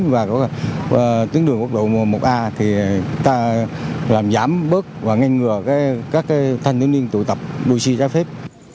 và tuyến đường quốc lộ một a thì ta làm giảm bớt và ngăn ngừa các thanh niên tụ tập đuôi xe trái phép